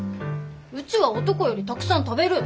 うちは男よりたくさん食べる！